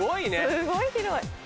すごい広い。